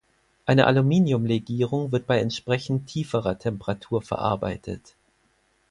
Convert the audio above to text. Eine Aluminiumlegierung wird bei entsprechend tieferer Temperatur verarbeitet.